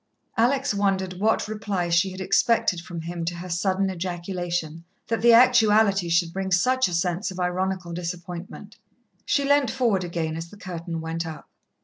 Alex wondered what reply she had expected from him to her sudden ejaculation, that the actuality should bring such a sense of ironical disappointment. She leant forward again as the curtain went up.